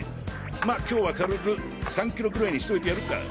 まっ今日は軽く３キロくらいにしといてやるか。